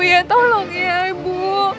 ya tolong ya ibu